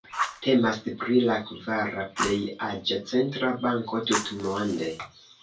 Temas pri la kvara plej aĝa centra banko tutmonde.